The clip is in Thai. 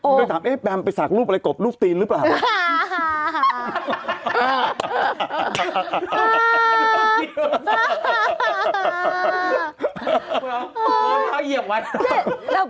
คุณก็ถามแบมไปสักรูปอะไรกบรูปตีนหรือเปล่า